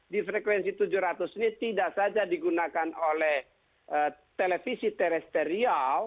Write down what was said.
di frekuensi tujuh ratus ini tidak saja digunakan oleh televisi terestrial